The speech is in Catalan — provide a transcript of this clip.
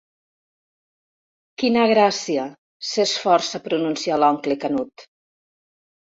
Quina gràcia, s'esforça a pronunciar l'oncle Canut.